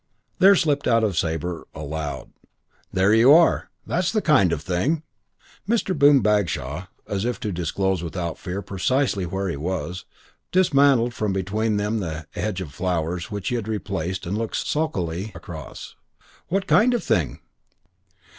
There slipped out of Sabre aloud, "There you are. That's the kind of thing." Mr. Boom Bagshaw, as if to disclose without fear precisely where he was, dismantled from between them the hedge of flowers which he had replaced and looked sulkily across. "What kind of thing?"